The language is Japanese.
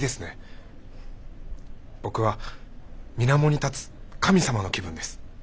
僕はみなもに立つ神様の気分です。